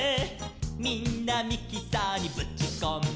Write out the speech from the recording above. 「みんなミキサーにぶちこんで」